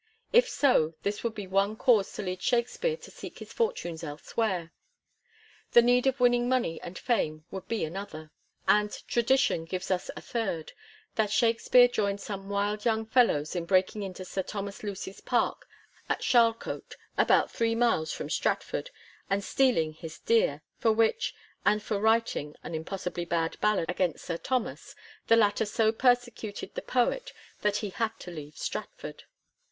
^ If so, this would be one cause to lead Shakspere to seek his fortunes elsewhere. The need of winning money and fame would be another. And tradition gives us a third: that Shakspere joind some wild young fellows in breaking into Sir Thomas Lucy's park at Charlecote, about three miles from Stratford, and stealing his deer, for which, and for writing an impossibly bad ballad against Sir Thomas, the latter so persecuted the poet that he had to leave Stratford.'